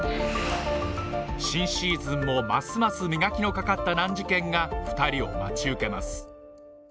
新シーズンもますます磨きのかかった難事件が２人を待ち受けます